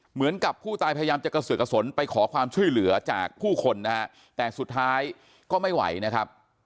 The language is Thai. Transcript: เหมือนกับผู้ตายพยายามจะกระเสือกกระสนไปขอความช่วยเหลือจากผู้คนนะฮะแต่สุดท้ายก็ไม่ไหวนะครับ